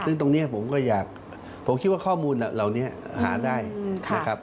ซึ่งตรงนี้ผมก็อยากผมคิดว่าข้อมูลเหล่านี้หาได้นะครับ